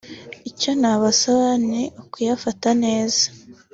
icyo nabasaba ni ukuyafata neza